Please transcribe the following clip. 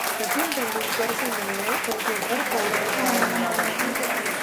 सचिन तेंदुलकर से मिलने उनके घर पहुंचे ब्रायन लारा